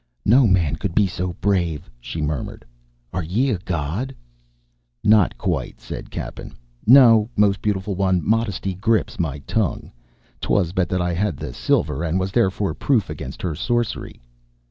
"No man could be so brave," she murmured. "Are ye a god?" "Not quite," said Cappen. "No, most beautiful one, modesty grips my tongue. 'Twas but that I had the silver and was therefore proof against her sorcery."